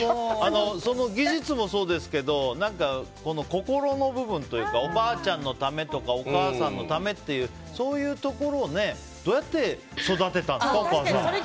技術もそうですけど心の部分というかおばあちゃんのためとかお母さんのためっていうそういうところをどうやって育てたんですかお母さん。